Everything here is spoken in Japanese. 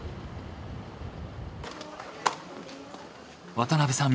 渡辺さん